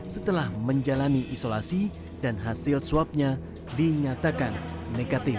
setelah menjalani isolasi dan hasil swabnya dinyatakan negatif